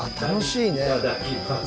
いただきます。